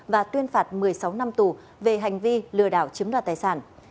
và tuyên phạt một mươi sáu năm tù về hành vi lừa đảo chiếm đoạt tài sản